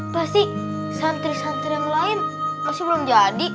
pasti santri santri yang lain masih belum jadi